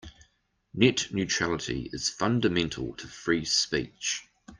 Net neutrality is fundamental to free speech.